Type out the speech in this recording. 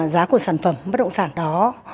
giá của sản phẩm bất động sản đó